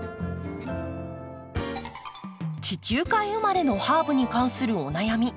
地中海生まれのハーブに関するお悩み